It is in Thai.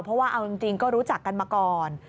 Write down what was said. เพราะว่าเอาจริงก็รู้จักกันมาก่อน